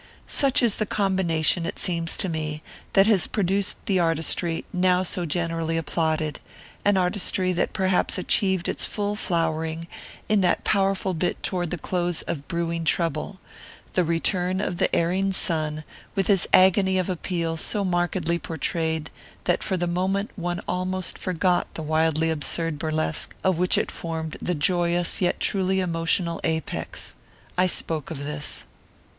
"Such is the combination, it seems to me, that has produced the artistry now so generally applauded, an artistry that perhaps achieved its full flowering in that powerful bit toward the close of Brewing Trouble the return of the erring son with his agony of appeal so markedly portrayed that for the moment one almost forgot the wildly absurd burlesque of which it formed the joyous yet truly emotional apex. I spoke of this.